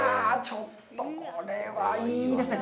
ちょっとこれはいいですね。